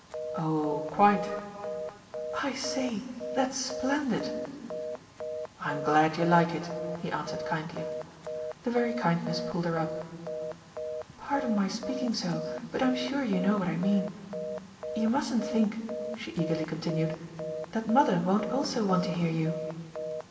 "Oh quite." "I say that's splendid!" "I'm glad you like it," he answered kindly. The very kindness pulled her up. "Pardon my speaking so, but I'm sure you know what I mean. You mustn't think," she eagerly continued, "that mother won't also want to hear you."